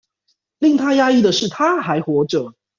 令他訝異的是她還活著